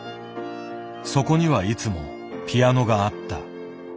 そこにはいつもピアノがあった。